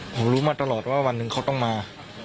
ผมรู้มาตลอดว่าวันหนึ่งเขาต้องมา